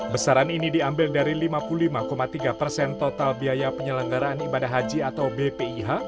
besaran ini diambil dari lima puluh lima tiga persen total biaya penyelenggaraan ibadah haji atau bpih